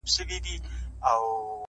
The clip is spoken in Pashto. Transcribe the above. o ولي دي يو انسان ته دوه زړونه ور وتراشله،